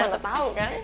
lo mana tau kan